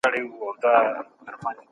تاسو خپل مسؤليت پېژندلی و.